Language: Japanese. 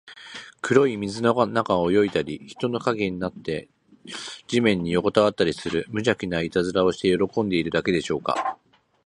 黒い水の中を泳いだり、人の影になって地面によこたわったりする、むじゃきないたずらをして喜んでいるだけでしょうか。